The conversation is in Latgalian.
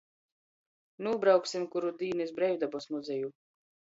Nūbrauksim kuru dīn iz Breivdobys muzeju!